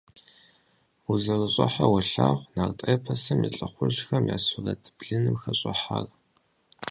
УзэрыщӀыхьэу уолъагъу нарт эпосым и лӀыхъужьхэм я сурэт блыным хэщӀыхьар.